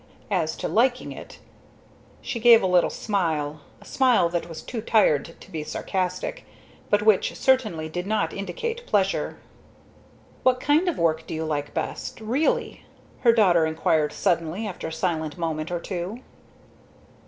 As to liking it " She gave a little smile, a smile that was too tired to be sarcastic, but which certainly did not indicate pleasure. "What kind of work do you like best really?" her daughter inquired suddenly, after a silent moment or two.